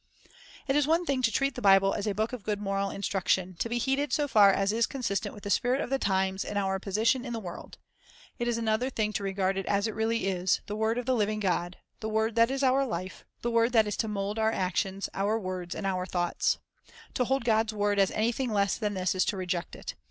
1 It is one thing to treat the Bible as a book of good The Bible moral instruction, to be heeded so far as is consistent to Shape the utc with the spirit of the times and our position in the world; it is another thing to regard it as it really is, — the word of the living God, — the word that is our life, the word that is to mould our actions, our words, and our thoughts. To hold God's word as anything less than this is to reject it.